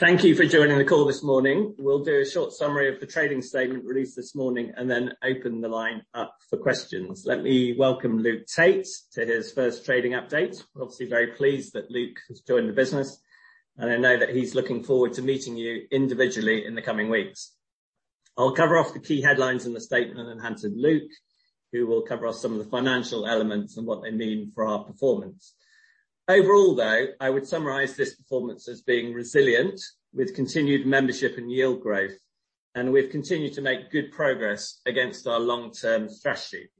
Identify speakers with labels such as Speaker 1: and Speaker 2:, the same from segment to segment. Speaker 1: Thank you for joining the call this morning. We'll do a short summary of the trading statement released this morning and then open the line up for questions. Let me welcome Luke Tait to his first trading update. We're obviously very pleased that Luke has joined the business, and I know that he's looking forward to meeting you individually in the coming weeks. I'll cover off the key headlines in the statement and hand to Luke, who will cover off some of the financial elements and what they mean for our performance. Overall, though, I would summarize this performance as being resilient with continued membership and yield growth, and we've continued to make good progress against our long-term strategy.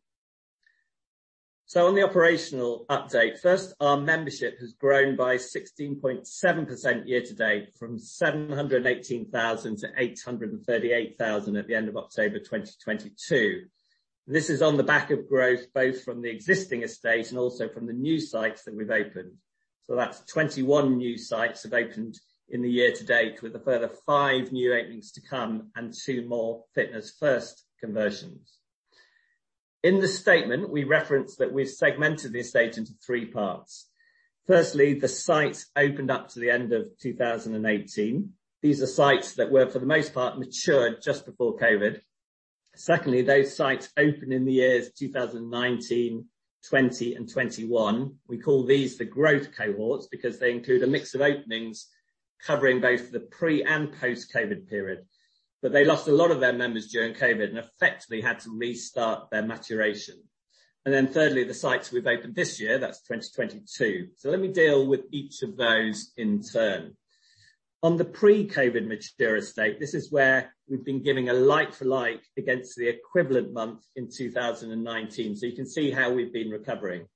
Speaker 1: On the operational update, first, our membership has grown by 16.7% year to date from 718,000 to 838,000 at the end of October 2022. This is on the back of growth, both from the existing estate and also from the new sites that we've opened. That's 21 new sites have opened in the year to date, with a further five new openings to come and two more Fitness First conversions. In the statement, we referenced that we've segmented the estate into three parts. Firstly, the sites opened up to the end of 2018. These are sites that were, for the most part, matured just before COVID. Secondly, those sites opened in the years 2019, 2020, and 2021. We call these the growth cohorts because they include a mix of openings covering both the pre and post-COVID period. They lost a lot of their members during COVID and effectively had to restart their maturation. Thirdly, the sites we've opened this year, that's 2022. Let me deal with each of those in turn. On the pre-COVID mature estate, this is where we've been giving a like-for-like against the equivalent month in 2019. You can see how we've been recovering.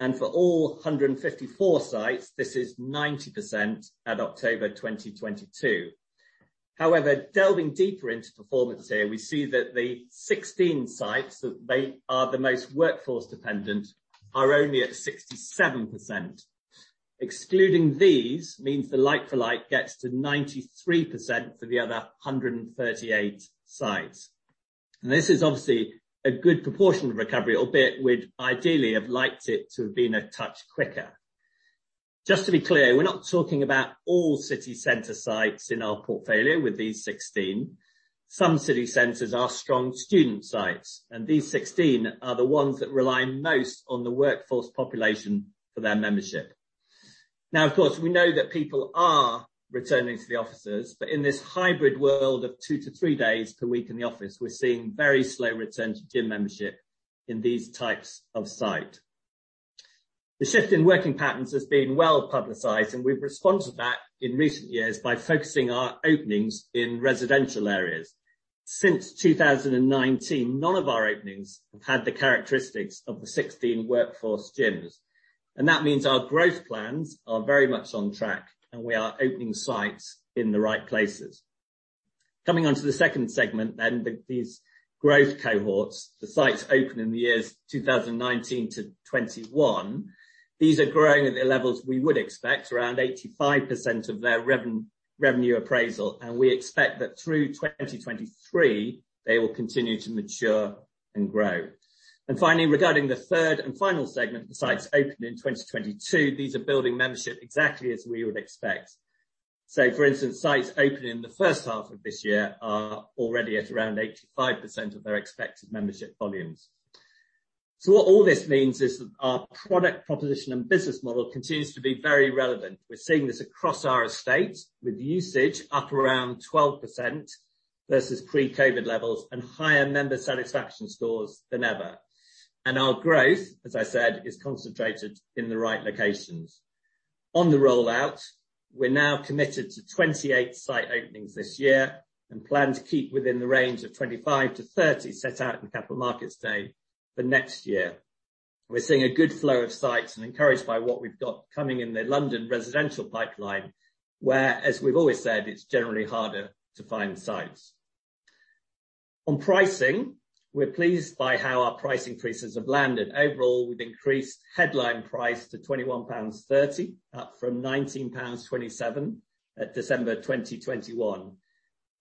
Speaker 1: For all 154 sites, this is 90% at October 2022. However, delving deeper into performance here, we see that the 16 sites that they are the most workforce dependent are only at 67%. Excluding these means the like-for-like gets to 93% for the other 138 sites. This is obviously a good proportion of recovery, albeit we'd ideally have liked it to have been a touch quicker. Just to be clear, we're not talking about all city center sites in our portfolio with these 16. Some city centers are strong student sites, and these 16 are the ones that rely most on the workforce population for their membership. Now, of course, we know that people are returning to the offices, but in this hybrid world of 2-3 days per week in the office, we're seeing very slow return to gym membership in these types of site. The shift in working patterns has been well-publicized, and we've responded to that in recent years by focusing our openings in residential areas. Since 2019, none of our openings have had the characteristics of the 16 workforce gyms. That means our growth plans are very much on track, and we are opening sites in the right places. Coming on to the second segment, then, the growth cohorts, the sites opened in the years 2019-2021, these are growing at the levels we would expect, around 85% of their revenue appraisal, and we expect that through 2023, they will continue to mature and grow. Finally, regarding the third and final segment, the sites opened in 2022, these are building membership exactly as we would expect. For instance, sites opened in the first half of this year are already at around 85% of their expected membership volumes. What all this means is that our product proposition and business model continues to be very relevant. We're seeing this across our estate with usage up around 12% versus pre-COVID levels and higher member satisfaction scores than ever. Our growth, as I said, is concentrated in the right locations. On the rollout, we're now committed to 28 site openings this year and plan to keep within the range of 25-30 set out in Capital Markets Day for next year. We're seeing a good flow of sites and we're encouraged by what we've got coming in the London residential pipeline, where, as we've always said, it's generally harder to find sites. On pricing, we're pleased by how our price increases have landed. Overall, we've increased headline price to 21.30 pounds up from 19.27 pounds at December 2021.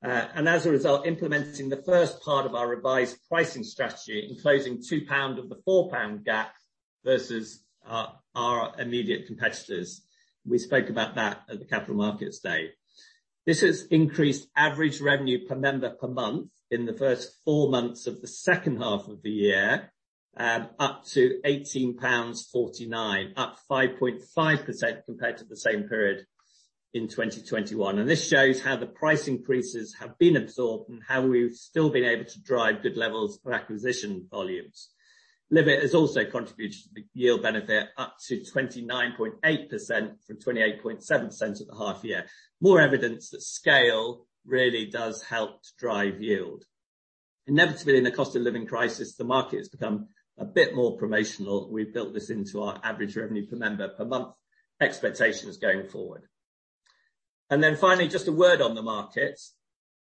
Speaker 1: As a result, implementing the first part of our revised pricing strategy, closing 2 pound of the 4 pound gap versus our immediate competitors. We spoke about that at the Capital Markets Day. This has increased average revenue per member per month in the first four months of the second half of the year, up to 18.49 pounds, up 5.5% compared to the same period in 2021. This shows how the price increases have been absorbed and how we've still been able to drive good levels of acquisition volumes. LIVE IT has also contributed to the yield benefit up to 29.8% from 28.7% at the half year. More evidence that scale really does help to drive yield. Inevitably, in the cost of living crisis, the market has become a bit more promotional. We've built this into our average revenue per member per month expectations going forward. Finally, just a word on the markets.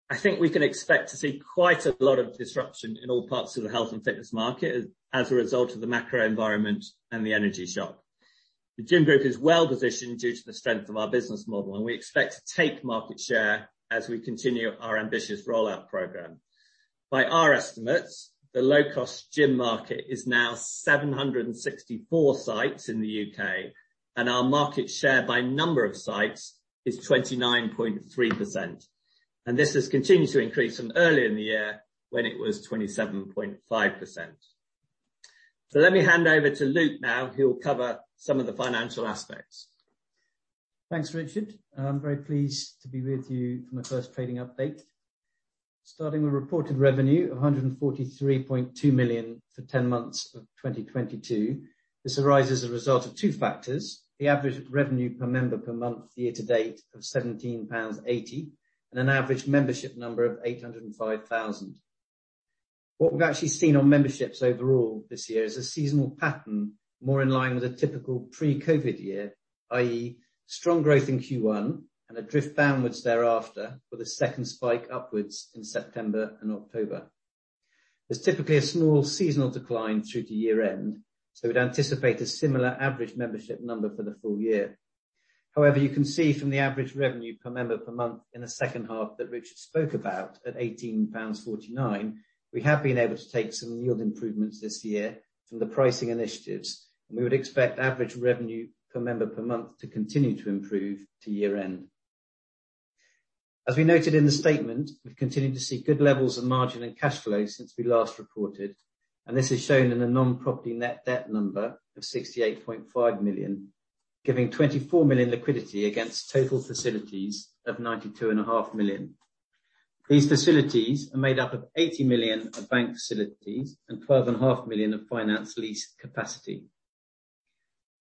Speaker 1: I think we can expect to see quite a lot of disruption in all parts of the health and fitness market as a result of the macro environment and the energy shock. The Gym Group is well-positioned due to the strength of our business model, and we expect to take market share as we continue our ambitious rollout program. By our estimates, the low-cost gym market is now 764 sites in the U.K., and our market share by number of sites is 29.3%, and this has continued to increase from earlier in the year when it was 27.5%. Let me hand over to Luke now. He'll cover some of the financial aspects.
Speaker 2: Thanks, Richard. I'm very pleased to be with you for my first trading update. Starting with reported revenue of 143.2 million for 10 months of 2022. This arises as a result of two factors, the average revenue per member per month year to date of 17.80 pounds, and an average membership number of 805,000. What we've actually seen on memberships overall this year is a seasonal pattern, more in line with a typical pre-COVID year, i.e., strong growth in Q1 and a drift downwards thereafter, with a second spike upwards in September and October. There's typically a small seasonal decline through to year-end, so we'd anticipate a similar average membership number for the full year. However, you can see from the average revenue per member per month in the second half that Richard spoke about at 18.49 pounds, we have been able to take some yield improvements this year from the pricing initiatives, and we would expect average revenue per member per month to continue to improve to year-end. As we noted in the statement, we've continued to see good levels of margin and cash flow since we last reported, and this is shown in the non-property net debt number of 68.5 million, giving 24 million liquidity against total facilities of 92.5 million. These facilities are made up of 80 million of bank facilities and 12.5 million of finance lease capacity.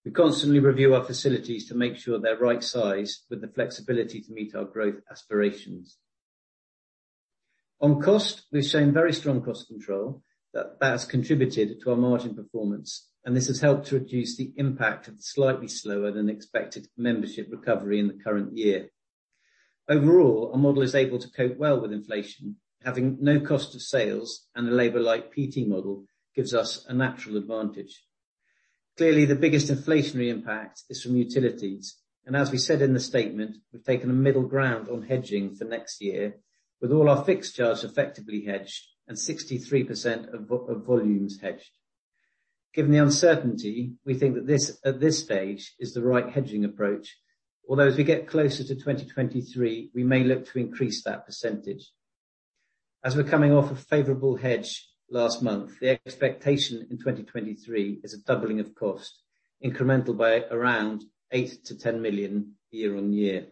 Speaker 2: We constantly review our facilities to make sure they're right size with the flexibility to meet our growth aspirations. On cost, we've shown very strong cost control that has contributed to our margin performance, and this has helped to reduce the impact of the slightly slower than expected membership recovery in the current year. Overall, our model is able to cope well with inflation. Having no cost of sales and a labor light PT model gives us a natural advantage. Clearly, the biggest inflationary impact is from utilities, and as we said in the statement, we've taken a middle ground on hedging for next year with all our fixed charges effectively hedged and 63% of volumes hedged. Given the uncertainty, we think that this at this stage is the right hedging approach. Although as we get closer to 2023, we may look to increase that percentage. As we're coming off a favorable hedge last month, the expectation in 2023 is a doubling of cost, incremental by around GBP 8-10 million year-over-year.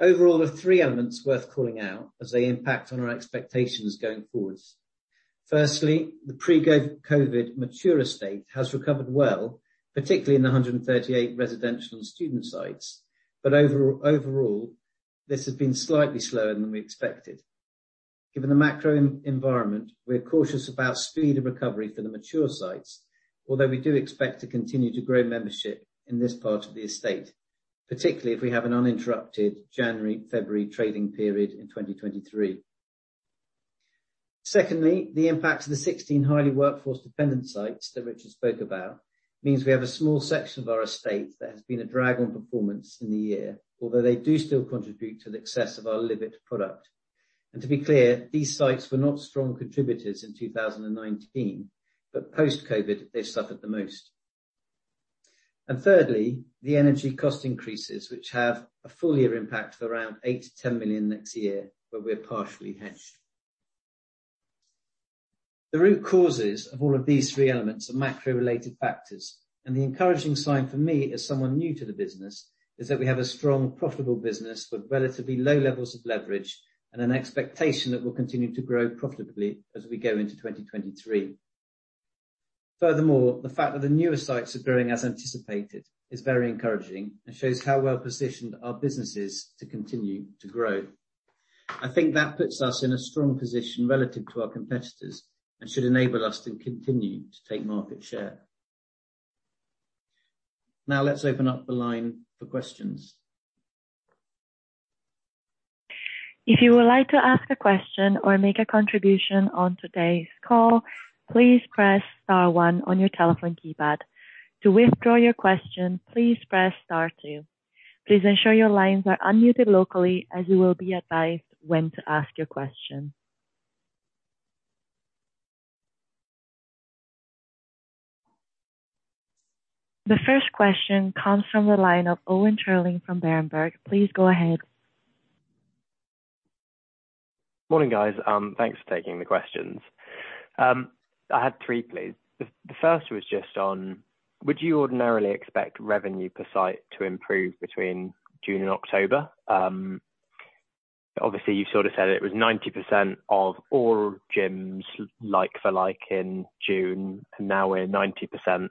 Speaker 2: Overall, there are three elements worth calling out as they impact on our expectations going forward. Firstly, the pre-COVID mature estate has recovered well, particularly in the 138 residential and student sites, but overall, this has been slightly slower than we expected. Given the macro environment, we're cautious about speed of recovery for the mature sites, although we do expect to continue to grow membership in this part of the estate, particularly if we have an uninterrupted January, February trading period in 2023. Secondly, the impact of the 16 highly workforce-dependent sites that Richard spoke about means we have a small section of our estate that has been a drag on performance in the year, although they do still contribute to the success of our LIVE IT product. To be clear, these sites were not strong contributors in 2019, but post-COVID, they suffered the most. Thirdly, the energy cost increases, which have a full year impact of around 8-10 million next year, where we're partially hedged. The root causes of all of these three elements are macro-related factors, and the encouraging sign for me, as someone new to the business, is that we have a strong, profitable business with relatively low levels of leverage and an expectation that we'll continue to grow profitably as we go into 2023. Furthermore, the fact that the newer sites are growing as anticipated is very encouraging and shows how well-positioned our business is to continue to grow. I think that puts us in a strong position relative to our competitors and should enable us to continue to take market share. Now let's open up the line for questions.
Speaker 3: If you would like to ask a question or make a contribution on today's call, please press star one on your telephone keypad. To withdraw your question, please press star two. Please ensure your lines are unmuted locally as you will be advised when to ask your question. The first question comes from the line of Owen Shirley from Berenberg. Please go ahead.
Speaker 4: Morning, guys. Thanks for taking the questions. I had three, please. The first was just on would you ordinarily expect revenue per site to improve between June and October? Obviously, you sort of said it was 90% of all gyms like-for-like in June, and now we're 90%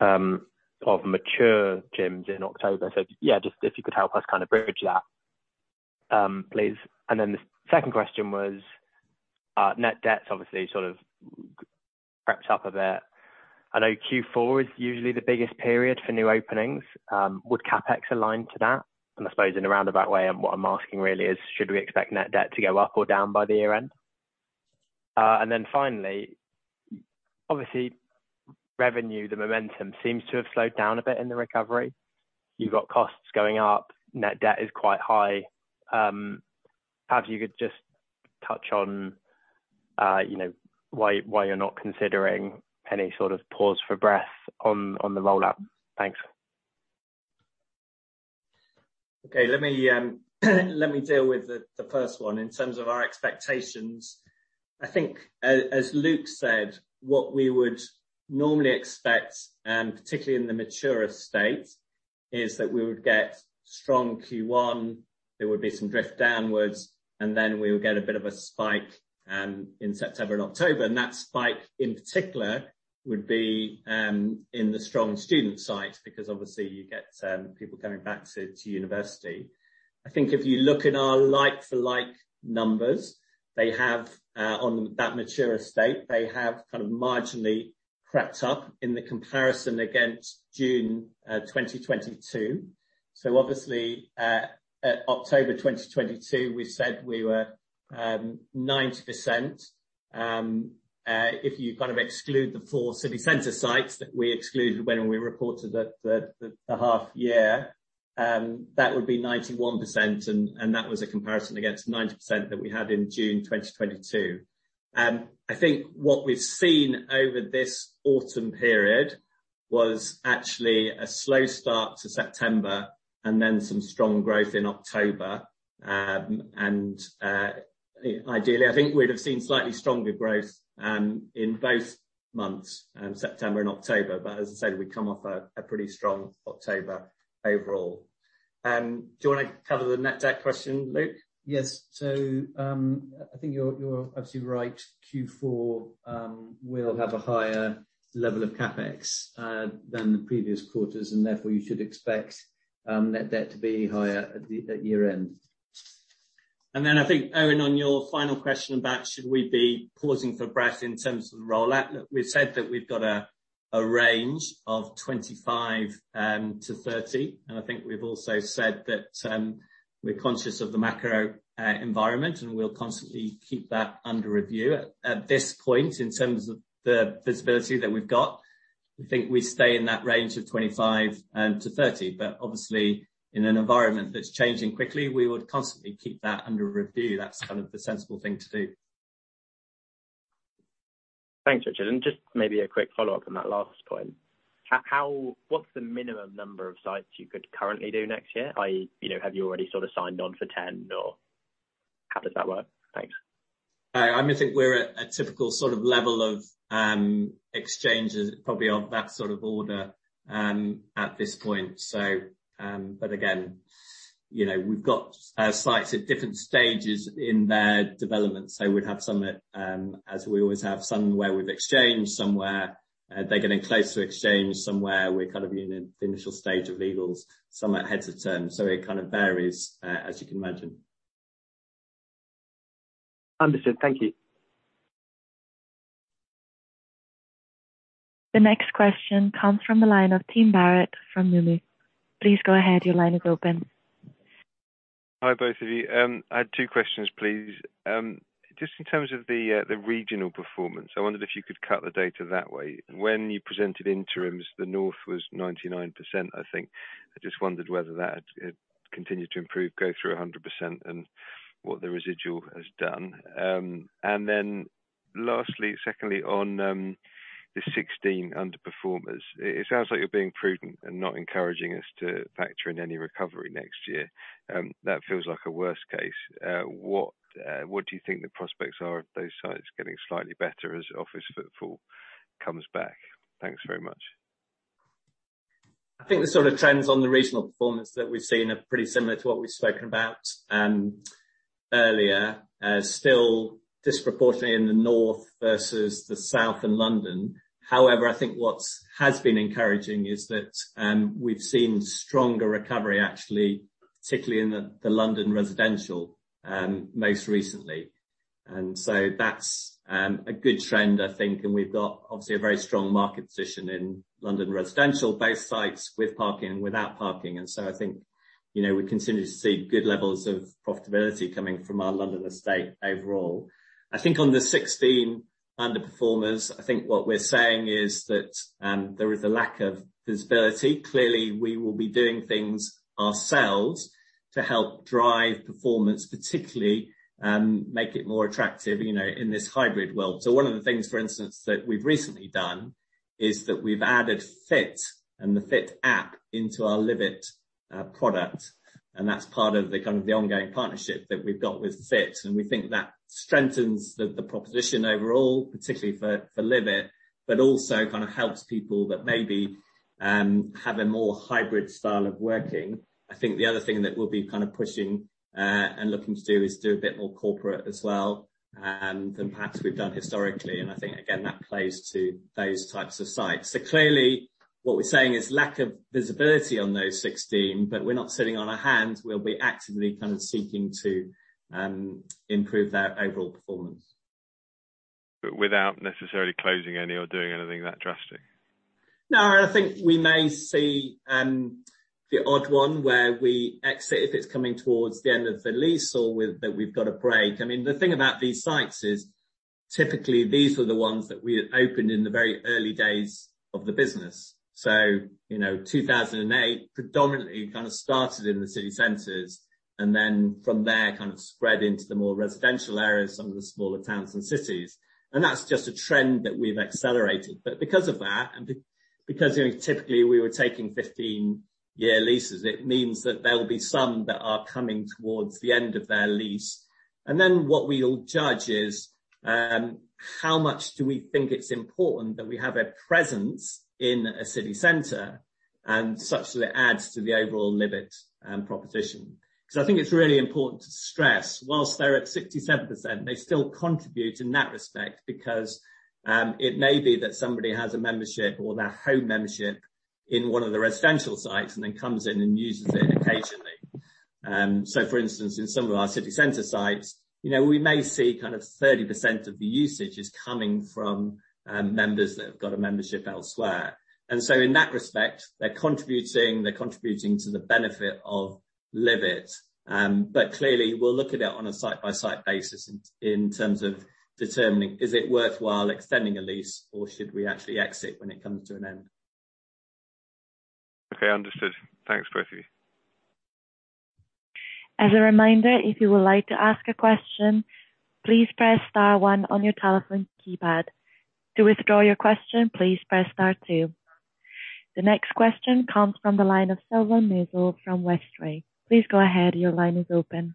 Speaker 4: of mature gyms in October. Yeah, just if you could help us kinda bridge that, please. Then the second question was, net debt obviously sort of crept up a bit. I know Q4 is usually the biggest period for new openings. Would CapEx align to that? I suppose in a roundabout way and what I'm asking really is should we expect net debt to go up or down by the year end? Finally, obviously revenue, the momentum seems to have slowed down a bit in the recovery. You've got costs going up, net debt is quite high. Perhaps you could just touch on, you know, why you're not considering any sort of pause for breath on the rollout. Thanks.
Speaker 1: Okay. Let me deal with the first one. In terms of our expectations, I think as Luke said, what we would normally expect, particularly in the mature estate, is that we would get strong Q1, there would be some drift downwards, and then we'll get a bit of a spike in September and October. That spike in particular would be in the strong student sites because obviously you get people coming back to university. I think if you look at our like-for-like numbers, they have on that mature estate kind of marginally crept up in the comparison against June 2022. Obviously, at October 2022, we said we were 90%. If you kind of exclude the 4 city center sites that we excluded when we reported the half year, that would be 91% and that was a comparison against 90% that we had in June 2022. I think what we've seen over this autumn period was actually a slow start to September and then some strong growth in October. Ideally, I think we'd have seen slightly stronger growth in both months, September and October. As I said, we've come off a pretty strong October overall. Do you wanna cover the net debt question, Luke?
Speaker 2: Yes. I think you're obviously right. Q4 will have a higher level of CapEx than the previous quarters, and therefore you should expect net debt to be higher at the year-end.
Speaker 1: I think, Owen, on your final question about should we be pausing for breath in terms of the rollout, look, we've said that we've got a range of 25-30, and I think we've also said that we're conscious of the macro environment, and we'll constantly keep that under review. At this point, in terms of the visibility that we've got, we think we stay in that range of 25-30. Obviously, in an environment that's changing quickly, we would constantly keep that under review. That's kind of the sensible thing to do.
Speaker 4: Thanks, Richard. Just maybe a quick follow-up on that last point. What's the minimum number of sites you could currently do next year? I, you know, have you already sort of signed on for 10 or how does that work? Thanks.
Speaker 1: I think we're at a typical sort of level of exchanges probably of that sort of order at this point. Again, you know, we've got sites at different stages in their development. We'd have some at, as we always have, some where we've exchanged, some where they're getting close to exchange, some where we're kind of in the initial stage of legals, some are ahead to term. It kind of varies as you can imagine.
Speaker 4: Understood. Thank you.
Speaker 3: The next question comes from the line of Tim Barrett from Deutsche Bank. Please go ahead. Your line is open.
Speaker 5: Hi, both of you. I had two questions, please. Just in terms of the regional performance, I wondered if you could cut the data that way. When you presented interims, the North was 99%, I think. I just wondered whether that had continued to improve, go through 100% and what the residual has done. Lastly, secondly, on the 16 underperformers. It sounds like you're being prudent and not encouraging us to factor in any recovery next year. That feels like a worst case. What do you think the prospects are of those sites getting slightly better as office footfall comes back? Thanks very much.
Speaker 1: I think the sort of trends on the regional performance that we've seen are pretty similar to what we've spoken about earlier, still disproportionately in the North versus the South and London. However, I think what's been encouraging is that, we've seen stronger recovery actually, particularly in the London residential most recently. That's a good trend I think. We've got obviously a very strong market position in London residential, both sites with parking and without parking. I think, you know, we continue to see good levels of profitability coming from our London estate overall. I think on the 16 underperformers, I think what we're saying is that, there is a lack of visibility. Clearly, we will be doing things ourselves to help drive performance, particularly, make it more attractive, you know, in this hybrid world. One of the things, for instance, that we've recently done is that we've added Fiit and the Fiit app into our LIVE IT product, and that's part of the kind of the ongoing partnership that we've got with Fiit. We think that strengthens the proposition overall, particularly for LIVE IT, but also kind of helps people that maybe have a more hybrid style of working. I think the other thing that we'll be kind of pushing and looking to do is do a bit more corporate as well than perhaps we've done historically. I think again, that plays to those types of sites. Clearly what we're saying is lack of visibility on those 16, but we're not sitting on our hands. We'll be actively kind of seeking to improve their overall performance.
Speaker 5: Without necessarily closing any or doing anything that drastic?
Speaker 1: No, I think we may see the odd one where we exit if it's coming towards the end of the lease or that we've got a break. I mean, the thing about these sites is typically these were the ones that we opened in the very early days of the business. So, you know, 2008 predominantly kind of started in the city centers, and then from there kind of spread into the more residential areas, some of the smaller towns and cities. That's just a trend that we've accelerated. But because of that, because, you know, typically we were taking 15-year leases, it means that there will be some that are coming towards the end of their lease. What we'll judge is how much do we think it's important that we have a presence in a city center and such that it adds to the overall LIVE IT proposition. 'Cause I think it's really important to stress, whilst they're at 67%, they still contribute in that respect because it may be that somebody has a membership or their home membership in one of the residential sites and then comes in and uses it occasionally. For instance, in some of our city center sites, you know, we may see kind of 30% of the usage is coming from members that have got a membership elsewhere. In that respect, they're contributing to the benefit of LIVE IT. Clearly we'll look at it on a site-by-site basis in terms of determining is it worthwhile extending a lease or should we actually exit when it comes to an end.
Speaker 5: Okay, understood. Thanks both of you.
Speaker 3: As a reminder, if you would like to ask a question, please press star one on your telephone keypad. To withdraw your question, please press star two. The next question comes from the line of James Wheatcroft from Jefferies. Please go ahead. Your line is open.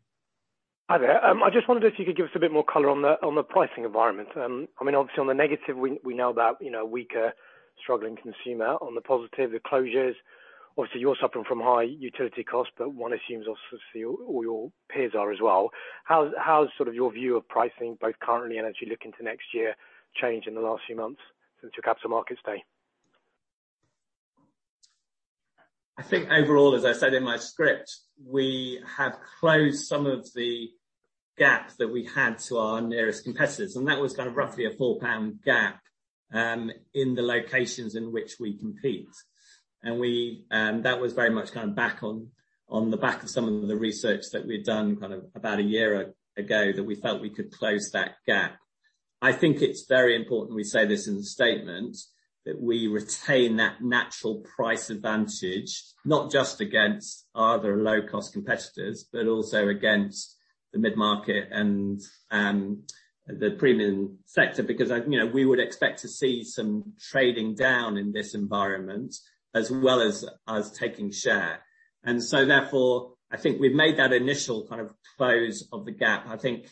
Speaker 6: Hi there. I just wondered if you could give us a bit more color on the pricing environment. I mean, obviously on the negative we know about, you know, weaker struggling consumer. On the positive, the closures, obviously you're suffering from high utility costs, but one assumes also all your peers are as well. How's sort of your view of pricing both currently and as you look into next year change in the last few months since your Capital Markets Day?
Speaker 1: I think overall, as I said in my script, we have closed some of the gaps that we had to our nearest competitors, and that was kind of roughly a 4 pound gap in the locations in which we compete. That was very much kind of back on the back of some of the research that we'd done kind of about a year ago that we felt we could close that gap. I think it's very important we say this in the statement, that we retain that natural price advantage, not just against other low cost competitors, but also against the mid-market and the premium sector. Because, you know, we would expect to see some trading down in this environment as well as taking share. Therefore, I think we've made that initial kind of close of the gap. I think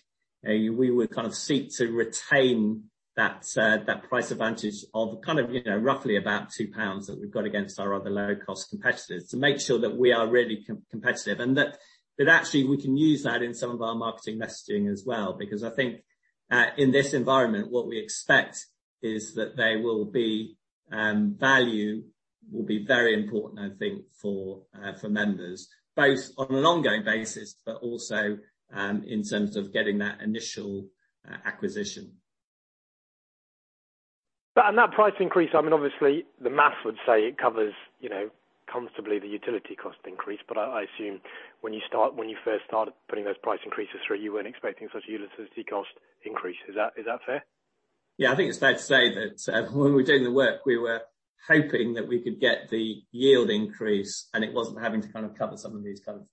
Speaker 1: we would kind of seek to retain that price advantage of kind of, you know, roughly about 2 pounds that we've got against our other lower cost competitors to make sure that we are really competitive and that actually we can use that in some of our marketing messaging as well. Because I think in this environment, what we expect is that there will be value will be very important, I think, for members, both on an ongoing basis, but also in terms of getting that initial acquisition.
Speaker 6: On that price increase, I mean, obviously the math would say it covers, you know, comfortably the utility cost increase. I assume when you first started putting those price increases through, you weren't expecting such utility cost increase. Is that fair?
Speaker 1: Yeah. I think it's fair to say that when we're doing the work, we were hoping that we could get the yield increase, and it wasn't having to kind of cover some of these kind of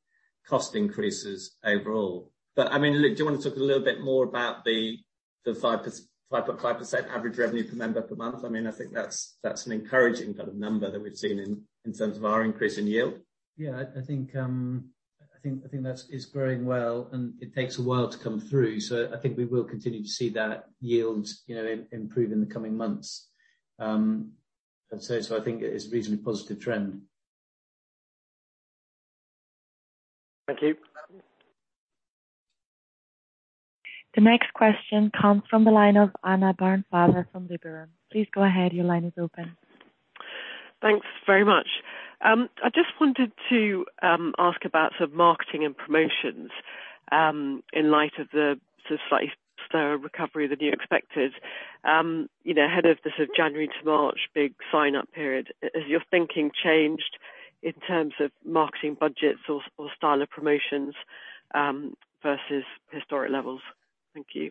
Speaker 1: cost increases overall. I mean, look, do you wanna talk a little bit more about the 5.5% Average Revenue Per Member Per Month? I mean, I think that's an encouraging kind of number that we've seen in terms of our increase in yield.
Speaker 2: Yeah, I think that's growing well, and it takes a while to come through. I think we will continue to see that yield, you know, improve in the coming months. I'd say so I think it's a reasonably positive trend.
Speaker 6: Thank you.
Speaker 3: The next question comes from the line of Anna Barnfather from Liberum. Please go ahead. Your line is open.
Speaker 7: Thanks very much. I just wanted to ask about sort of marketing and promotions in light of the sort of slight slower recovery than you expected. You know, ahead of the sort of January to March big sign-up period, has your thinking changed in terms of marketing budgets or style of promotions versus historic levels? Thank you.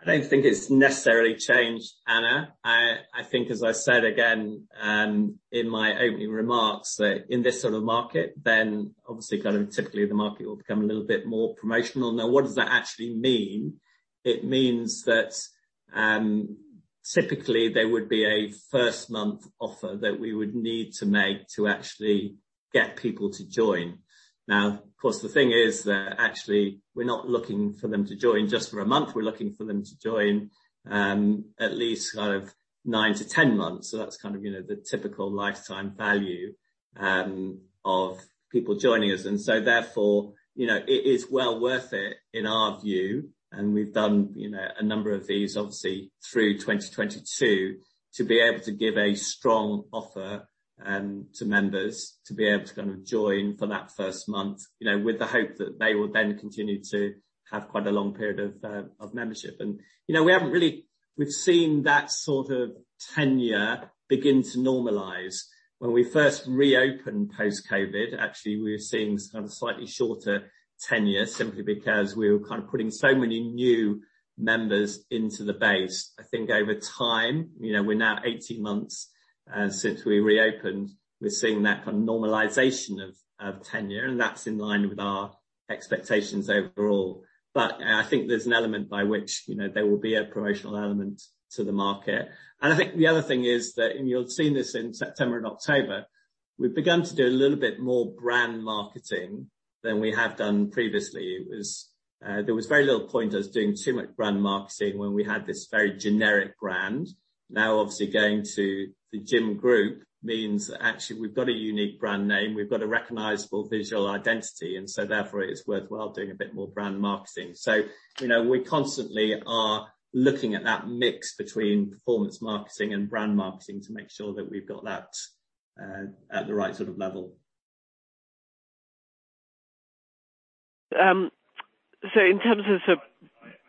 Speaker 1: I don't think it's necessarily changed, Anna. I think as I said again, in my opening remarks, that in this sort of market, then obviously kind of typically the market will become a little bit more promotional. Now, what does that actually mean? It means that, typically there would be a first month offer that we would need to make to actually get people to join. Now, of course, the thing is that actually we're not looking for them to join just for a month. We're looking for them to join at least kind of 9-10 months. So that's kind of, you know, the typical lifetime value of people joining us. Therefore, you know, it is well worth it in our view, and we've done, you know, a number of these obviously through 2022, to be able to give a strong offer to members to be able to kind of join for that first month, you know, with the hope that they will then continue to have quite a long period of membership. You know, we've seen that sort of tenure begin to normalize. When we first reopened post-COVID, actually we were seeing some slightly shorter tenure simply because we were kind of putting so many new members into the base. I think over time, you know, we're now 18 months since we reopened, we're seeing that kind of normalization of tenure, and that's in line with our expectations overall. I think there's an element by which, you know, there will be a promotional element to the market. I think the other thing is that, and you'll have seen this in September and October, we've begun to do a little bit more brand marketing than we have done previously. There was very little point us doing too much brand marketing when we had this very generic brand. Now, obviously going to The Gym Group means that actually we've got a unique brand name, we've got a recognizable visual identity, and so therefore it's worthwhile doing a bit more brand marketing. You know, we constantly are looking at that mix between performance marketing and brand marketing to make sure that we've got that at the right sort of level.
Speaker 7: In terms of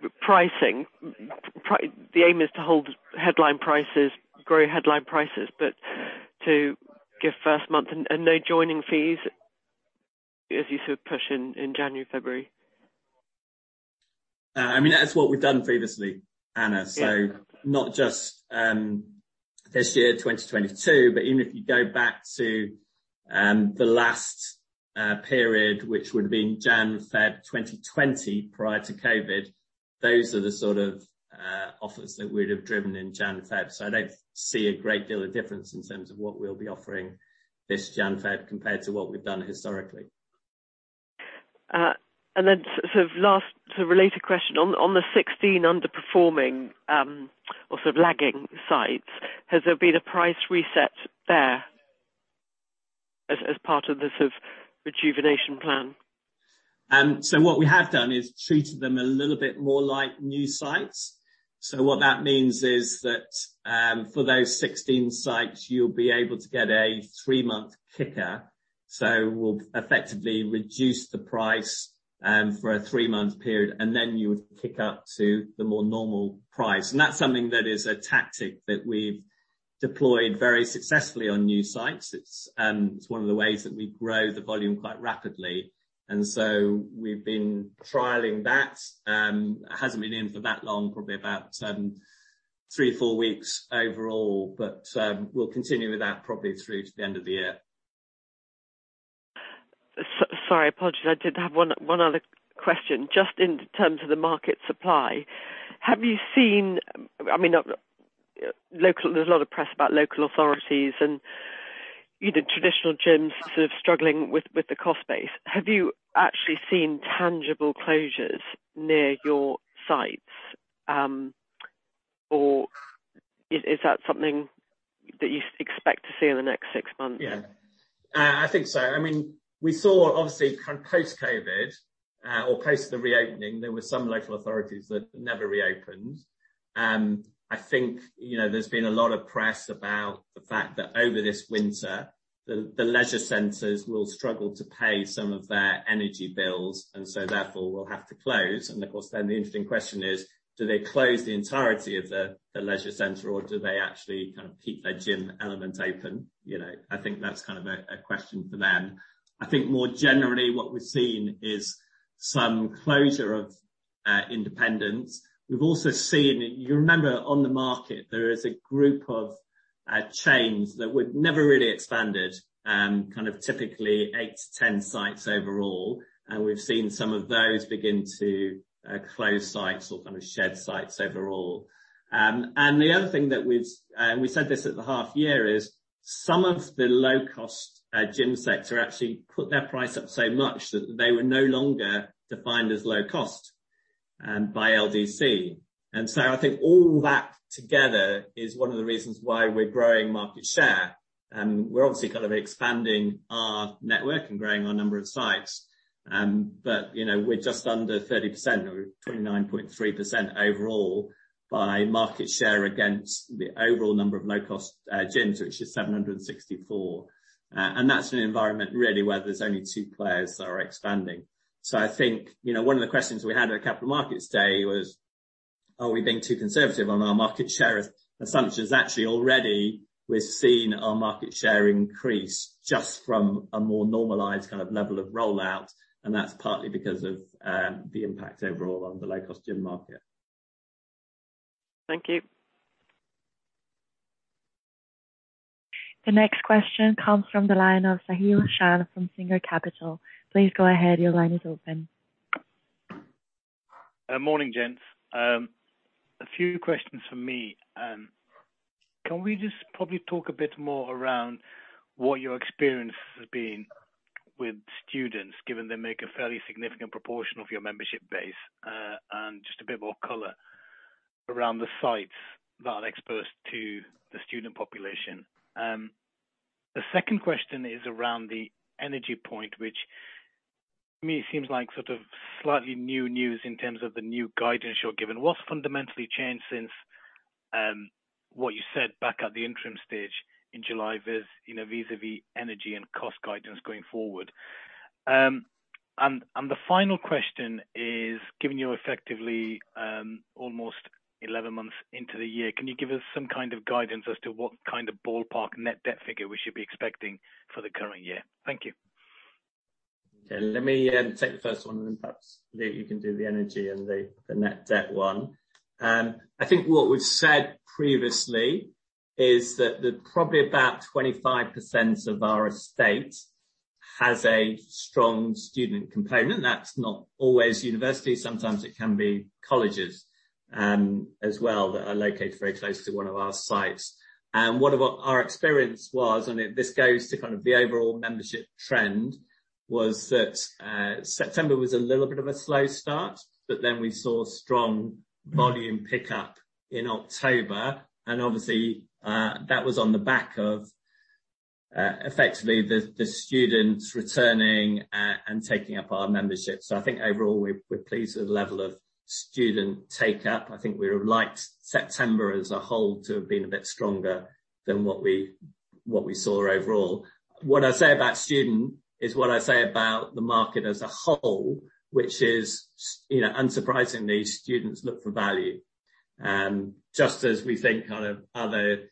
Speaker 7: the pricing, the aim is to hold headline prices, grow headline prices, but to give first month and no joining fees as you sort of push in January, February?
Speaker 1: I mean, that's what we've done previously, Anna.
Speaker 7: Yeah.
Speaker 1: Not just this year, 2022, but even if you go back to the last period, which would've been January, February 2020, prior to COVID, those are the sort of offers that we'd have driven in January, February. I don't see a great deal of difference in terms of what we'll be offering this January, February compared to what we've done historically.
Speaker 7: sort of last sort of related question on the 16 underperforming, or sort of lagging sites, has there been a price reset there as part of the sort of rejuvenation plan?
Speaker 1: What we have done is treated them a little bit more like new sites. What that means is that, for those 16 sites, you'll be able to get a 3-month kicker. We'll effectively reduce the price, for a 3-month period, and then you would kick up to the more normal price. That's something that is a tactic that we've deployed very successfully on new sites. It's one of the ways that we grow the volume quite rapidly, and so we've been trialing that. Hasn't been in for that long, probably about 3 to 4 weeks overall, but we'll continue with that probably through to the end of the year.
Speaker 7: Sorry, apologies. I did have one other question. Just in terms of the market supply, have you seen? I mean, local, there's a lot of press about local authorities and, you know, traditional gyms sort of struggling with the cost base. Have you actually seen tangible closures near your sites? Or is that something that you expect to see in the next six months?
Speaker 1: Yeah. I think so. I mean, we saw obviously kind of post-COVID, or post the reopening, there were some local authorities that never reopened. I think, you know, there's been a lot of press about the fact that over this winter the leisure centers will struggle to pay some of their energy bills, and so therefore will have to close. Of course, then the interesting question is, do they close the entirety of the leisure center, or do they actually kind of keep their gym element open, you know? I think that's kind of a question for them. I think more generally what we've seen is some closure of independents. We've also seen. You remember on the market there is a group of chains that we've never really expanded, kind of typically 8-10 sites overall, and we've seen some of those begin to close sites or kind of shed sites overall. The other thing that we said this at the half year is some of the low-cost gym sector actually put their price up so much that they were no longer defined as low cost by LDC. I think all that together is one of the reasons why we're growing market share. We're obviously kind of expanding our network and growing our number of sites, but you know, we're just under 30% or 29.3% overall by market share against the overall number of low-cost gyms, which is 764. That's an environment really where there's only two players that are expanding. I think, you know, one of the questions we had at Capital Markets Day was, are we being too conservative on our market share assumptions? Actually already we've seen our market share increase just from a more normalized kind of level of rollout, and that's partly because of the impact overall on the low-cost gym market.
Speaker 7: Thank you.
Speaker 3: The next question comes from the line of Sahill Shan from Singer Capital Markets. Please go ahead. Your line is open.
Speaker 8: Morning gents. A few questions from me. Can we just probably talk a bit more around what your experience has been with students, given they make a fairly significant proportion of your membership base? Just a bit more color around the sites that are exposed to the student population. The second question is around the energy point, which to me it seems like sort of slightly new news in terms of the new guidance you're given. What's fundamentally changed since what you said back at the interim stage in July vis, you know, vis-à-vis energy and cost guidance going forward? The final question is, given you're effectively almost 11 months into the year, can you give us some kind of guidance as to what kind of ballpark net debt figure we should be expecting for the current year? Thank you.
Speaker 1: Okay. Let me take the first one, and then perhaps Luke you can do the energy and the net debt one. I think what we've said previously is that probably about 25% of our estate has a strong student component. That's not always university, sometimes it can be colleges, as well, that are located very close to one of our sites. Our experience was that this goes to kind of the overall membership trend, that September was a little bit of a slow start, but then we saw strong volume pickup in October. Obviously, that was on the back of effectively the students returning and taking up our membership. I think overall we're pleased with the level of student take-up. I think we would've liked September as a whole to have been a bit stronger than what we saw overall. What I say about student is what I say about the market as a whole, which is you know, unsurprisingly, students look for value. Just as we think kind of other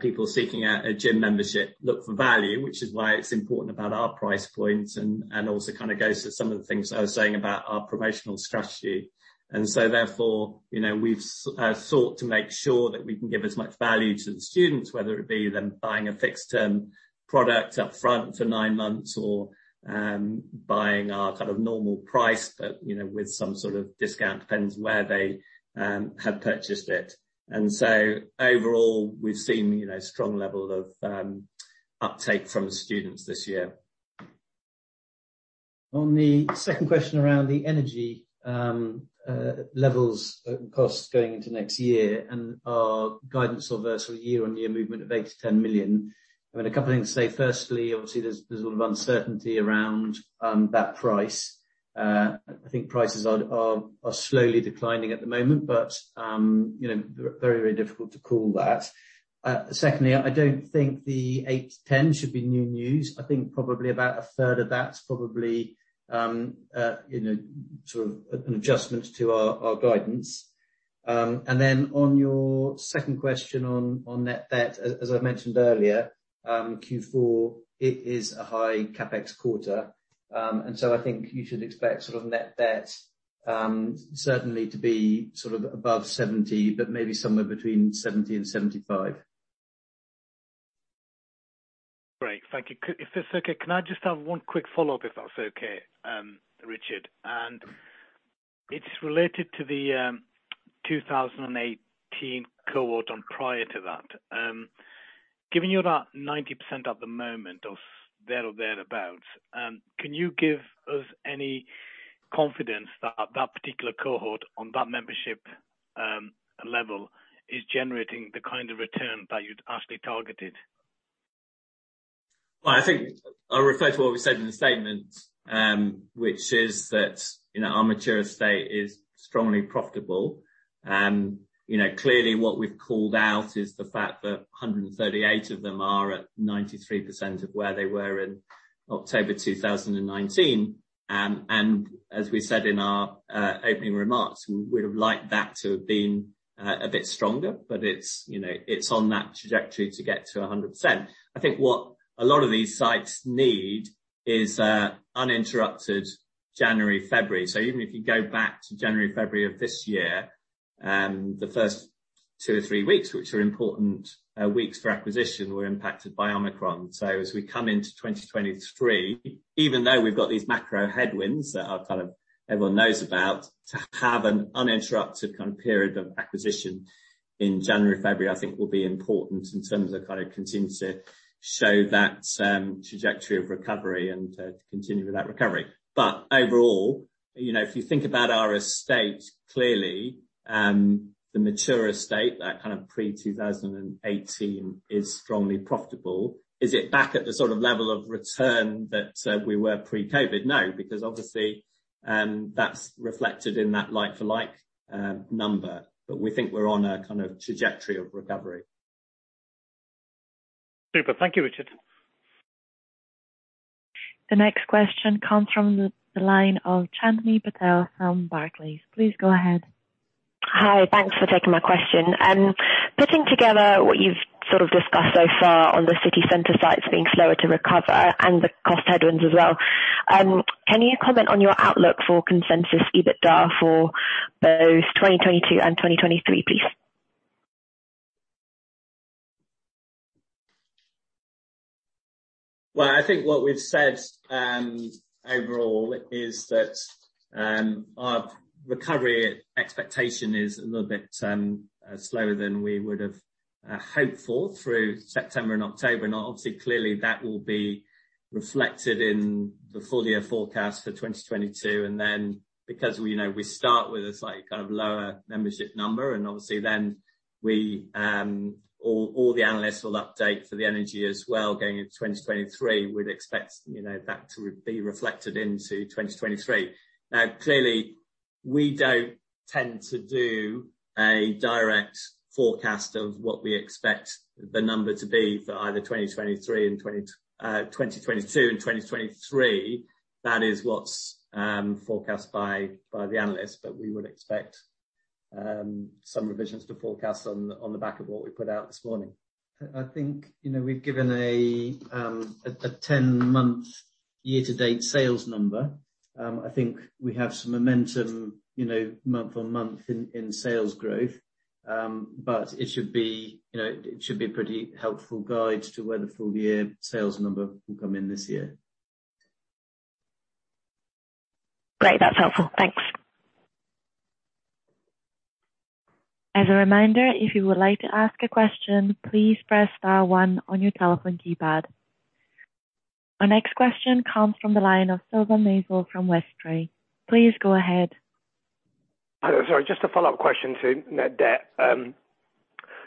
Speaker 1: people seeking out a gym membership look for value, which is why it's important about our price points and also kind of goes to some of the things I was saying about our promotional strategy. Therefore, you know, we've sought to make sure that we can give as much value to the students, whether it be them buying a fixed term product up front for nine months or buying our kind of normal price, but you know, with some sort of discount. Depends where they have purchased it. Overall we've seen, you know, strong level of uptake from the students this year.
Speaker 2: On the second question around the energy levels and costs going into next year and our guidance of a sort of year-on-year movement of 8 million-10 million. I mean, a couple of things to say. Firstly, obviously there's a lot of uncertainty around that price. I think prices are slowly declining at the moment, but you know, very, very difficult to call that. Secondly, I don't think the 8-10 should be new news. I think probably about a third of that's probably you know, sort of an adjustment to our guidance. Then on your second question on net debt, as I mentioned earlier, Q4 it is a high CapEx quarter. I think you should expect sort of net debt, certainly to be sort of above 70, but maybe somewhere between 70 and 75.
Speaker 8: Great. Thank you. If it's okay, can I just have one quick follow-up, if that's okay, Richard? It's related to the 2018 cohort and prior to that. Giving you about 90% at the moment or thereabouts, can you give us any confidence that that particular cohort and that membership level is generating the kind of return that you'd actually targeted?
Speaker 1: Well, I think I'll refer to what we said in the statement, which is that, you know, our mature estate is strongly profitable. You know, clearly what we've called out is the fact that 138 of them are at 93% of where they were in October 2019. As we said in our opening remarks, we would've liked that to have been a bit stronger, but it's, you know, it's on that trajectory to get to 100%. I think what a lot of these sites need is a uninterrupted January, February. Even if you go back to January, February of this year, the first two or three weeks, which are important weeks for acquisition, were impacted by Omicron. As we come into 2023, even though we've got these macro headwinds that, kind of, everyone knows about, to have an uninterrupted kind of period of acquisition in January, February, I think will be important in terms of kind of continuing to show that trajectory of recovery and to continue with that recovery. But overall, you know, if you think about our estate clearly, the mature estate, that kind of pre-2018 is strongly profitable. Is it back at the sort of level of return that we were pre-COVID? No, because obviously, that's reflected in that like-for-like number, but we think we're on a kind of trajectory of recovery.
Speaker 8: Super. Thank you, Richard.
Speaker 3: The next question comes from the line of Chandni Patel from Barclays. Please go ahead.
Speaker 9: Hi. Thanks for taking my question. Putting together what you've sort of discussed so far on the city center sites being slower to recover and the cost headwinds as well, can you comment on your outlook for consensus EBITDA for both 2022 and 2023, please?
Speaker 1: Well, I think what we've said overall is that our recovery expectation is a little bit slower than we would've hoped for through September and October. Now, obviously, clearly that will be reflected in the full year forecast for 2022. Because we, you know, we start with a slight kind of lower membership number and obviously all the analysts will update for the energy as well going into 2023. We'd expect, you know, that to be reflected into 2023. Now, clearly we don't tend to do a direct forecast of what we expect the number to be for either 2023 and 2022 and 2023. That is what's forecast by the analysts. We would expect some revisions to forecast on the back of what we put out this morning. I think, you know, we've given a 10-month year-to-date sales number. I think we have some momentum, you know, month-on-month in sales growth. It should be, you know, it should be pretty helpful guide to where the full year sales number will come in this year.
Speaker 9: Great. That's helpful. Thanks.
Speaker 3: As a reminder, if you would like to ask a question, please press star one on your telephone keypad. Our next question comes from the line of James Wheatcroft from Jefferies. Please go ahead.
Speaker 6: Hi there. Sorry, just a follow-up question to net debt.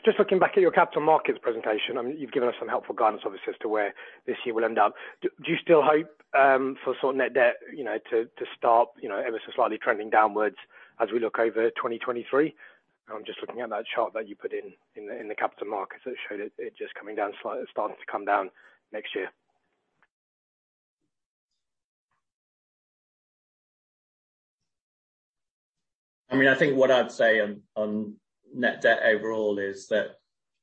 Speaker 6: Just looking back at your capital markets presentation, I mean, you've given us some helpful guidance, obviously, as to where this year will end up. Do you still hope for sort of net debt, you know, to start, you know, ever so slightly trending downwards as we look over 2023? I'm just looking at that chart that you put in the capital markets that showed it just coming down slightly, starting to come down next year.
Speaker 1: I mean, I think what I'd say on net debt overall is that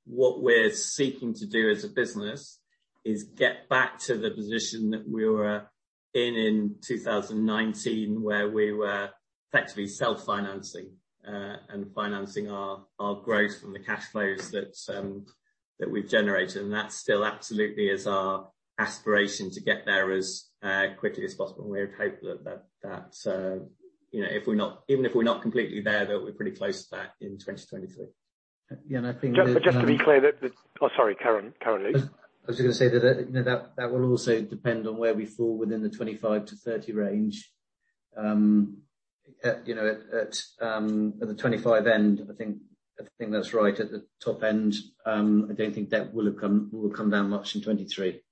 Speaker 1: what we're seeking to do as a business is get back to the position that we were in in 2019, where we were effectively self-financing and financing our growth from the cash flows that we've generated. That still absolutely is our aspiration to get there as quickly as possible. We're hopeful that that's, you know, even if we're not completely there, that we're pretty close to that in 2022.
Speaker 6: Oh, sorry, carry on. Carry on, please.
Speaker 1: I was just gonna say that, you know, that will also depend on where we fall within the 25-30 range. At the 25 end, you know, I think that's right at the top end. I don't think debt will come down much in 2023.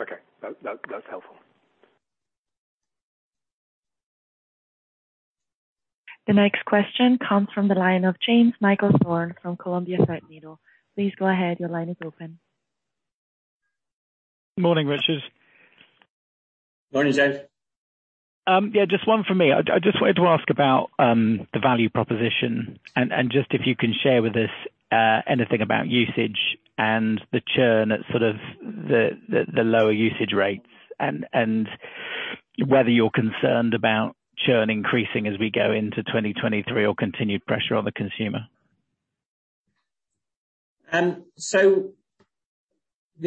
Speaker 6: Okay. That's helpful.
Speaker 3: The next question comes from the line of James Michael Thorne from Columbia Threadneedle. Please go ahead. Your line is open.
Speaker 10: Morning, Richard Darwin.
Speaker 1: Morning, James.
Speaker 10: Yeah, just one from me. I just wanted to ask about the value proposition and just if you can share with us anything about usage and the churn at sort of the lower usage rates and whether you're concerned about churn increasing as we go into 2023 or continued pressure on the consumer.
Speaker 1: The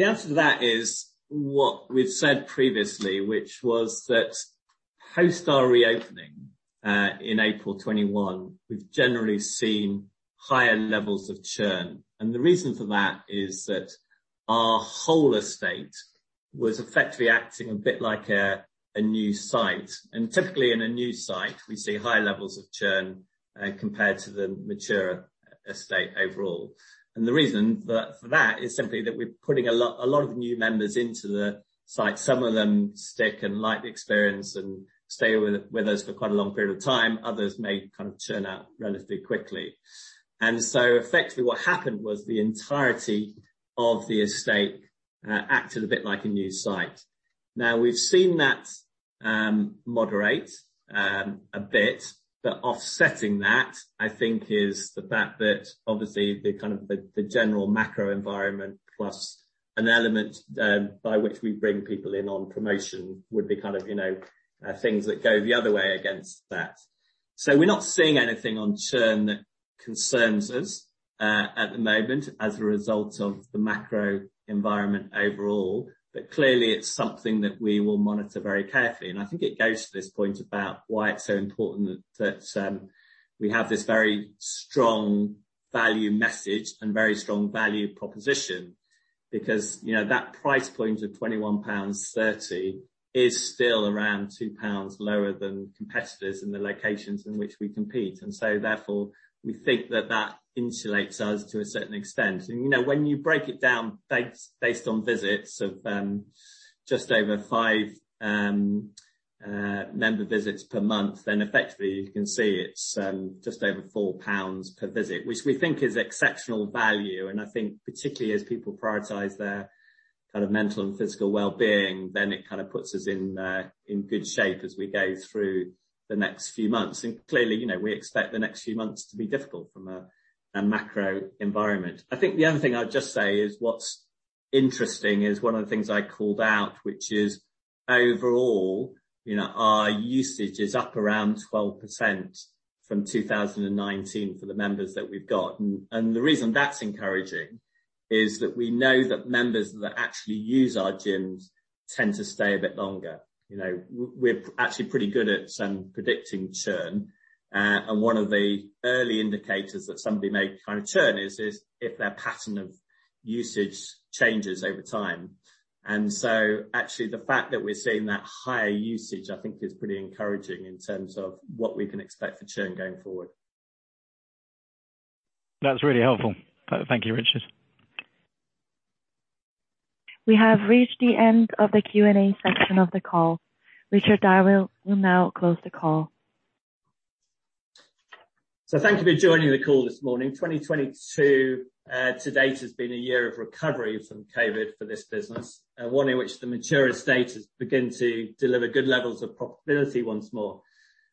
Speaker 1: answer to that is what we've said previously, which was that post our reopening in April 2021, we've generally seen higher levels of churn. The reason for that is that our whole estate was effectively acting a bit like a new site. Typically in a new site we see higher levels of churn compared to the mature estate overall. The reason for that is simply that we're putting a lot of new members into the site. Some of them stick and like the experience, and stay with us for quite a long period of time. Others may kind of churn out relatively quickly. Effectively what happened was the entirety of the estate acted a bit like a new site. Now we've seen that moderate a bit, but offsetting that, I think is the fact that obviously the general macro environment plus an element by which we bring people in on promotion would be kind of, you know, things that go the other way against that. We're not seeing anything on churn that concerns us at the moment as a result of the macro environment overall. Clearly it's something that we will monitor very carefully. I think it goes to this point about why it's so important that we have this very strong value message and very strong value proposition because, you know, that price point of 21.30 pounds is still around 2 pounds lower than competitors in the locations in which we compete. Therefore we think that that insulates us to a certain extent. You know, when you break it down based on visits of just over five member visits per month, then effectively you can see it's just over 4 pounds per visit, which we think is exceptional value. I think particularly as people prioritize their kind of mental and physical wellbeing, then it kind of puts us in good shape as we go through the next few months. Clearly, you know, we expect the next few months to be difficult from a macro environment. I think the other thing I'd just say is what's interesting is one of the things I called out, which is overall, you know, our usage is up around 12% from 2019 for the members that we've got. The reason that's encouraging is that we know that members that actually use our gyms tend to stay a bit longer. You know, we're actually pretty good at predicting churn. One of the early indicators that somebody may kind of churn is if their pattern of usage changes over time. Actually the fact that we're seeing that higher usage I think is pretty encouraging in terms of what we can expect for churn going forward.
Speaker 10: That's really helpful. Thank you, Richards.
Speaker 3: We have reached the end of the Q&A section of the call. Richard, I will now close the call.
Speaker 1: Thank you for joining the call this morning. 2022 to date has been a year of recovery from COVID for this business, one in which the mature estate has begun to deliver good levels of profitability once more.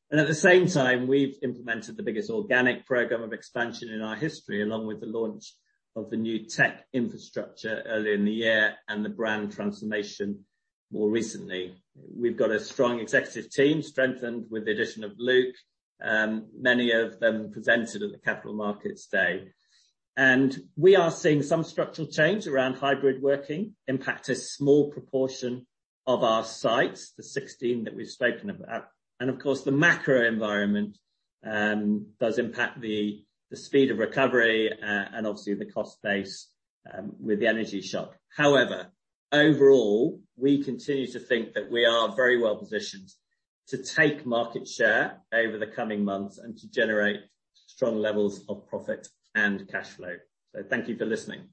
Speaker 1: At the same time, we've implemented the biggest organic program of expansion in our history, along with the launch of the new tech infrastructure earlier in the year and the brand transformation more recently. We've got a strong executive team strengthened with the addition of Luke, many of them presented at the Capital Markets Day. We are seeing some structural change around hybrid working impacting a small proportion of our sites, the 16 that we've spoken about. Of course, the macro environment does impact the speed of recovery and obviously the cost base with the energy shock. However, overall, we continue to think that we are very well-positioned to take market share over the coming months and to generate strong levels of profit and cash flow. Thank you for listening.